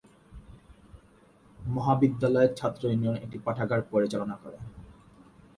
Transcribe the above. মহাবিদ্যালয়ের ছাত্র ইউনিয়ন একটা পাঠাগার পরিচালনা করে।